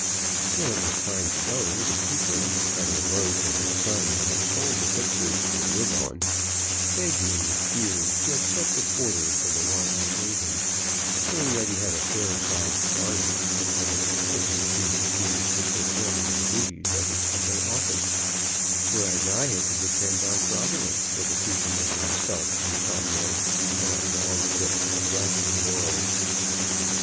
When it was time to go the keeper, having learned from his son that I sold the pictures "to live on," begged me with tears to accept a quarter for the one I gave him, saying that he had a fair sized garden besides the pittance he received for performing the duties of his humble office, whereas I had to depend on Providence for the keeping of myself and comrade on our long trip "round the world."